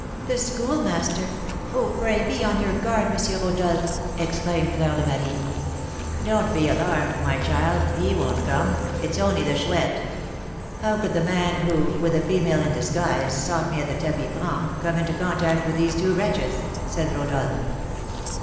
"The Schoolmaster! Oh, pray be on your guard, M. Rodolph," exclaimed Fleur de Marie. "Don't be alarmed, my child, he won't come; it's only the Chouette." "How could the man who, with the female in disguise, sought me at the tapis franc, come into contact with these two wretches?" said Rodolph.